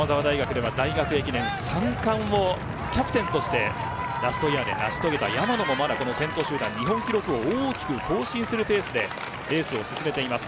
大学駅伝３冠をキャプテンとしてラストイヤーを成し遂げた山野も先頭集団に日本記録を大きく更新するペースでレースを進めています。